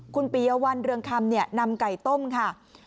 คุณปียวัลเรืองคำนำไก่ต้มค่ะ